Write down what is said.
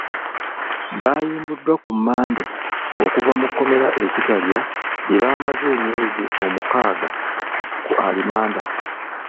Baayimbuddwa Ku Mmande, okuva mu kkomera e Kitalya gye bamaze emyezi omukaaga ku alimanda.